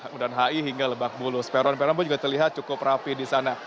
kemudian hi hingga lebak bulus peron peron pun juga terlihat cukup rapi di sana